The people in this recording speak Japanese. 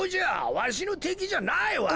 わしのてきじゃないわい。